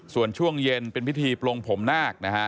ส่วนช่วงเย็นเป็นพิธีปลงผมนาคนะฮะ